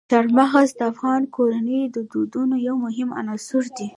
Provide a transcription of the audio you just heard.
چار مغز د افغان کورنیو د دودونو یو مهم عنصر دی.